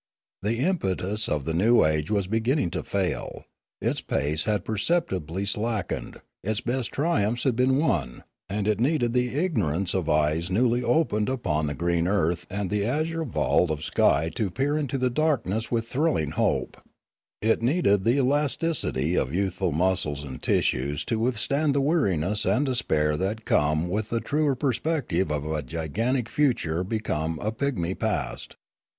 The^impetus of the new age was beginning to fail; its pace had perceptibly slackened; its best triumphs had been won ; and it needed the ignorance of eyes newly opened upon the green earth and the azure vault of sky to peer into the darkness with thrilling hope; it needed the elasticity of youthful muscles and tissues to with stand the weariness and despair that come with the truer perspective of a gigantic future become a pigmy past.